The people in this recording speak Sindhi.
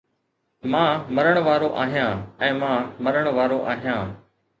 مان مرڻ وارو آهيان ۽ مان مرڻ وارو آهيان